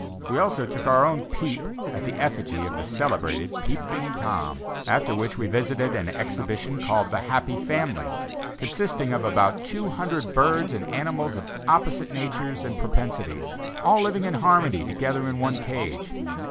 We also took our own "peep" at the effigy of the celebrated "Peeping Tom," after which we visited an exhibition called the "Happy Family," consisting of about two hundred birds and animals of opposite natures and propensities, all living in harmony together in one cage.